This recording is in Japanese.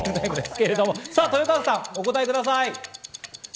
豊川さん、お答えください。